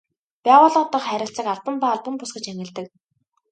Байгууллага дахь харилцааг албан ба албан бус гэж ангилдаг.